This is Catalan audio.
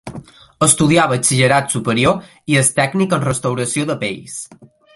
Estudià batxillerat superior i és tècnic en restauració de pells.